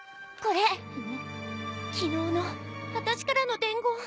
これ昨日の私からの伝言。